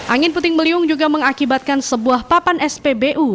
angin puting beliung juga mengakibatkan sebuah papan spbu